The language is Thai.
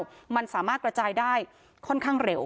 ชุมชนแฟลต๓๐๐๐๐คนพบเชื้อ๓๐๐๐๐คนพบเชื้อ๓๐๐๐๐คน